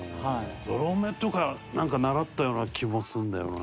ゾロ目とかなんか習ったような気もするんだよな。